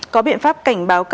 có biện pháp cảnh báo các tài viên